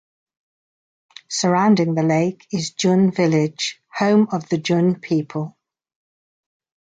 Surrounding the lake is Jun Village, home of the Jun people.